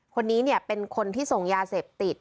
คนนี้เป็นคนที่ส่งยาเสพติด